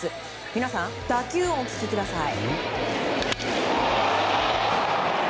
皆さん、打球音をお聞きください。